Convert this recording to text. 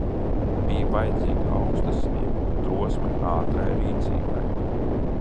Bija vajadzīga aukstasinība un drosme ātrai rīcībai.